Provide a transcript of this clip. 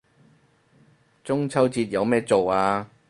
中秋節有咩做啊